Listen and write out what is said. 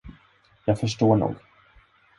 Jag förstår nog.